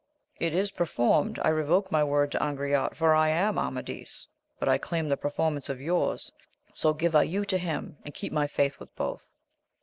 — It is per formed : I revoke my word to Angriote, for I am Amadis ! but I claim the performance of your*s ; so give I you to him, and keep my faith with both.